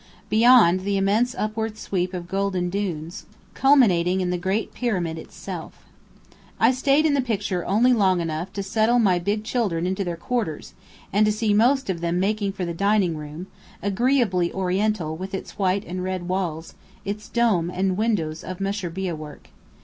Beyond, the immense upward sweep of golden dunes, culminating in the Great Pyramid itself. I stayed in the picture only long enough to settle my big children into their quarters, and to see most of them making for the dining room, agreeably Oriental with its white and red walls, its dome and windows of mushrbiyeh work.